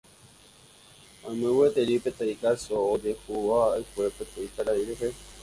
Oime gueteri peteĩ káso ojehuva'ekue peteĩ karai rehe.